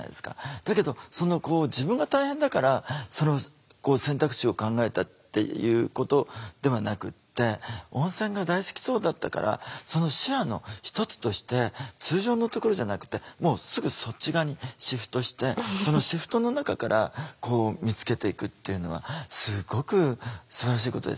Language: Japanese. だけど自分が大変だからそれを選択肢を考えたっていうことではなくって温泉が大好きそうだったからその視野の一つとして通常のところじゃなくてもうすぐそっち側にシフトしてそのシフトの中からこう見つけていくっていうのはすごくすばらしいことですよね。